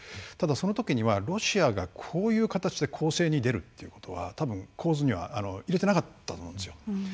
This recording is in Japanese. ただそのときにはロシアがこういう形で攻勢に出るということは多分構図には入れてなかったと思うんですよ。